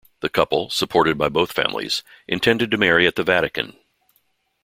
The couple, supported by both families, intended to marry at the Vatican.